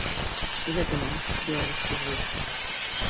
Гэта наш, беларускі звычай.